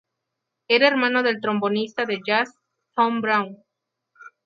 Era hermano del trombonista de jazz Tom Brown.